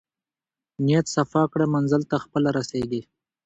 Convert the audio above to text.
نیت صفاء کړه منزل ته خپله رسېږې.